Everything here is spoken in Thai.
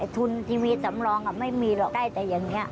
ทุนทีวีสำรองไม่มีหรอกได้แต่อย่างนี้